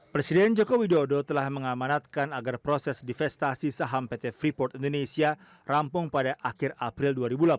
presiden joko widodo telah mengamanatkan agar proses divestasi saham pt freeport indonesia rampung pada akhir april dua ribu delapan belas